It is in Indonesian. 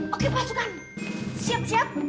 oke pasukan siap siap